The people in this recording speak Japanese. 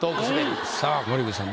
さぁ森口さん